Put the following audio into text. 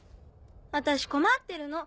私困ってるの。